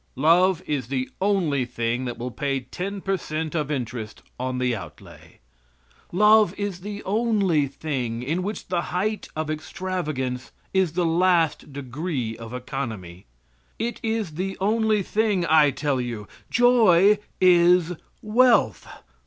Love is the only thing that will pay ten per cent of interest on the outlay. Love is the only thing in which the height of extravagance is the last degree of economy. It is the only thing, I tell you. Joy is wealth.